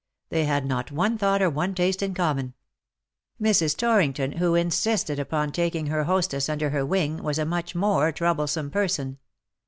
They had not one thought or one taste in common. Mrs. Torrington, who insisted upon taking her hostess under her wing, was a much more troublesome person.